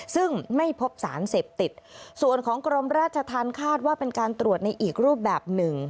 ซึ่งไม่พบสารเสพติดส่วนของกรมราชธรรมคาดว่าเป็นการตรวจในอีกรูปแบบหนึ่ง